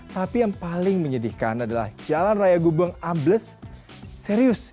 tapi yang paling menyedihkan adalah jalan raya gubeng ambles serius